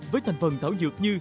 với thành phần thảo dược như